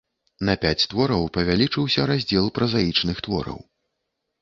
На пяць твораў павялічыўся раздзел празаічных твораў.